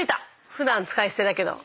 普段使い捨てだけど。